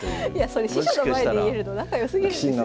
それ師匠の前で言えるの仲良すぎるんですよね。